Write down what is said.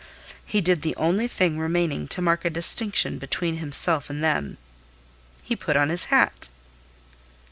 He did the only thing remaining to mark a distinction between himself and them. He put on his hat.